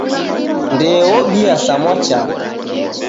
Ndee obia sa mwachaka.